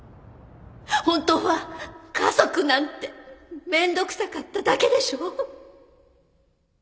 本当は家族なんてめんどくさかっただけでしょう